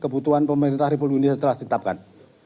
kebutuhan pemerintah republik indonesia telah ditetapkan